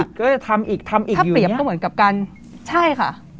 ก็จะทำอีกทำอีกอยู่เนี้ยถ้าเปรียบก็เหมือนกับการใช่ค่ะ